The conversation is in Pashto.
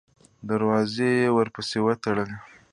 دروازې یې ورپسې وتړلې.